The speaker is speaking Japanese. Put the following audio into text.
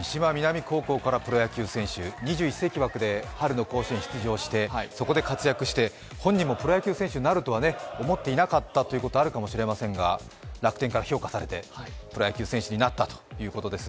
三島南高校から春のセンバツ、春の甲子園に出場して、そこで活躍して、本人もプロ野球選手になるとは思っていなかったということもあるかもしれませんが、楽天から評価されてプロ野球選手になったということですね。